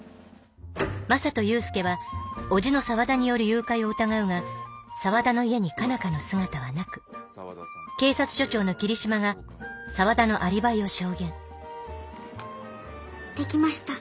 マサと勇介は叔父の沢田による誘拐を疑うが沢田の家に佳奈花の姿はなく警察署長の桐島が沢田のアリバイを証言出来ました。